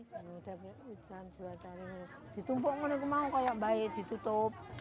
sudah hujan hujan di tumpuk kalau mau baik ditutup